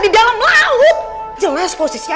di dalam laut jelas posisinya